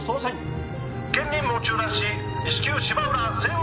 「現任務を中断し至急芝浦西運